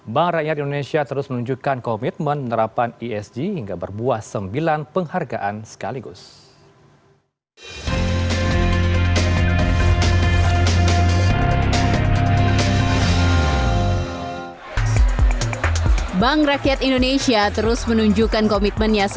bank rakyat indonesia terus menunjukkan komitmen penerapan esg hingga berbuah sembilan penghargaan sekaligus